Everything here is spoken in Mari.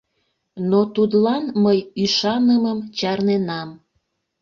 Но тудлан мый ӱшанымым чарненам.